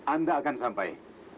anda akan sampai